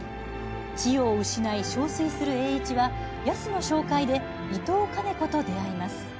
千代を失いしょうすいする栄一はやすの紹介で伊藤兼子と出会います。